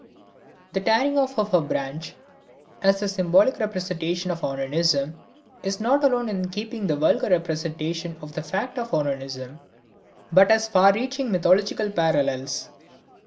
The tearing off of a branch as the symbolic representation of onanism is not alone in keeping with the vulgar representation of the fact of onanism, but has far reaching mythological parallels.